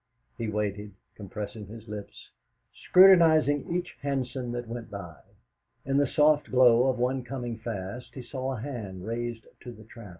He waited, compressing his lips, scrutinising each hansom that went by. In the soft glow of one coming fast he saw a hand raised to the trap.